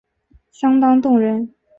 相当动人